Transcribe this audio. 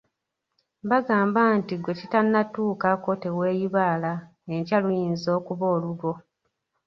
Bagamba nti gwe kitannatuukako teweeyibaala, enkya luyinza okuba olulwo.